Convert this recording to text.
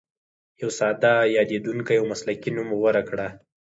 یو ساده، یادېدونکی او مسلکي نوم غوره کړه.